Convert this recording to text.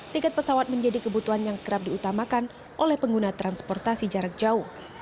tiket pesawat menjadi kebutuhan yang kerap diutamakan oleh pengguna transportasi jarak jauh